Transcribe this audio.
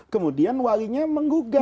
kemudian walinya menggugat